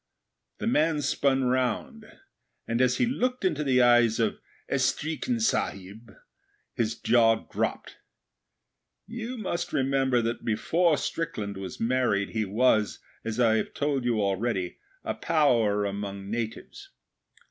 The man spun round, and, as he looked into the eyes of 'Estreekin Sahib', his jaw dropped. You must remember that before Strickland was married, he was, as I have told you already, a power among natives.